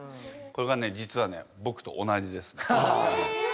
これがね実はねぼくと同じです。え！？